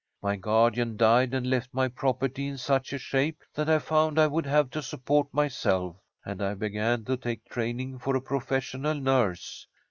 My guardian died and left my property in such shape that I found I would have to support myself, and I began to take training for a professional nurse.